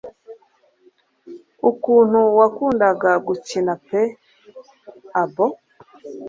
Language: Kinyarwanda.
ukuntu wakundaga gukina peek-a-boo